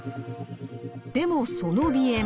でもその鼻炎